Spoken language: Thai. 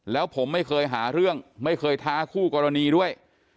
แล้วผมไม่เคยหาเรื่องไม่เคยท้าคู่กรณีด้วย